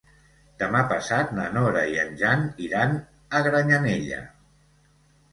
Demà passat na Nora i en Jan iran a Granyanella.